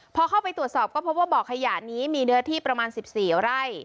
พอเข้าไปตรวจสอบก็พบว่าบ่อขยะนี้มีเนื้อที่ประมาณ๑๔ไร่